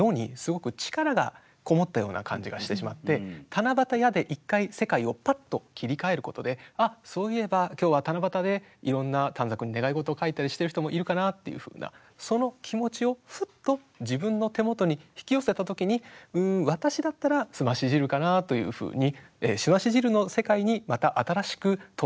「七夕や」で一回世界をぱっと切り替えることであっそういえば今日は七夕でいろんな短冊に願い事を書いたりしてる人もいるかな？っていうふうなその気持ちをふっと自分の手元に引き寄せた時に「うん私だったらすまし汁かな？」というふうにすまし汁の世界にまた新しく飛んでいく。